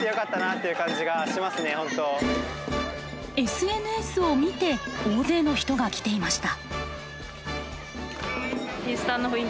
ＳＮＳを見て大勢の人が来ていました。